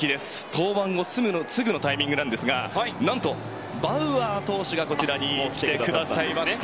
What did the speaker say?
登板後すぐのタイミングなんですが何とバウアー投手がこちらに来てくださいました。